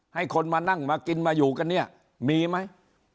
ให้คนมานั่งมากินมาอยู่กันเนี่ยมีไหม